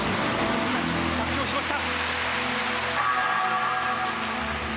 しかし着氷しました。